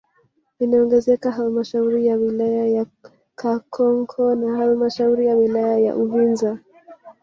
Inaongezeka halmashauri ya wilaya ya Kakonko na halmashauri ya wilaya ya Uvinza